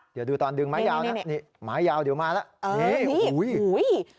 เดี๋ยวดูตอนดึงไม้ยาวนะนี่ไม้ยาวเดี๋ยวมาแล้วนี่โอ้โห